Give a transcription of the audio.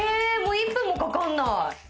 １分もかからない。